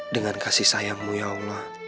dengan kasih sayangmu ya allah